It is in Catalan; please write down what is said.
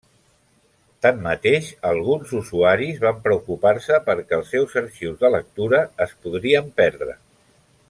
Tanmateix, alguns usuaris van preocupar-se perquè els seus arxius de lectura es podrien perdre.